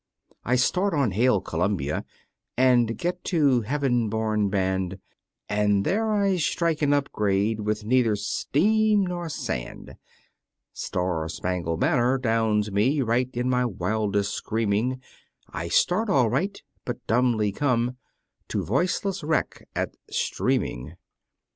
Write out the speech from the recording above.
I start on "Hail Columbia," And get to "heav'n born band," And there I strike an up grade With neither steam nor sand; "Star Spangled Banner" downs me Right in my wildest screaming, I start all right, but dumbly come To voiceless wreck at "streaming."